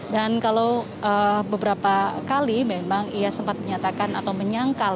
kalau beberapa kali memang ia sempat menyatakan atau menyangkal